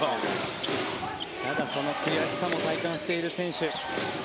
ただ、その悔しさも体感している選手。